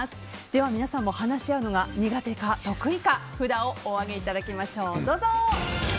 では皆さんも話し合うのが苦手か得意か札をお上げいただきましょう。